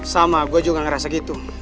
sama gue juga ngerasa gitu